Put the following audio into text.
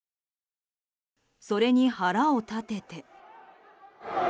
それに腹を立てて。